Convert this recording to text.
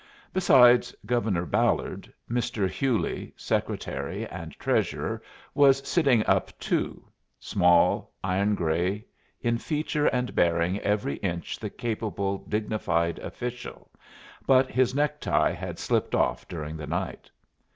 Besides Governor Ballard, Mr. Hewley, Secretary and Treasurer, was sitting up too, small, iron gray, in feature and bearing every inch the capable, dignified official, but his necktie had slipped off during the night.